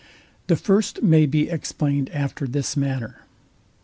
The FIRST may be explained after this manner.